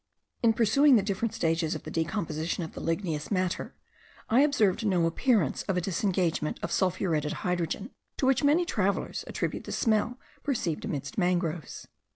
In pursuing the different stages of the decomposition of the ligneous matter, I observed no appearance of a disengagement of sulphuretted hydrogen, to which many travellers attribute the smell perceived amidst mangroves.